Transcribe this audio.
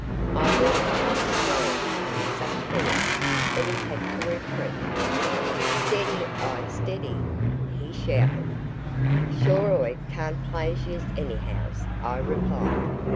I recommenced blowing with such force that he had to retreat. "Steady I steady!" he shouted. "Sure O'i can't plaze yez anyhows," I replied.